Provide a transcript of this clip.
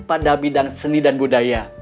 pada bidang seni dan budaya